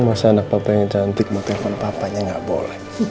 masa anak papa yang cantik mau telepon papanya nggak boleh